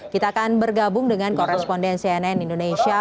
kita akan bergabung dengan koresponden cnn indonesia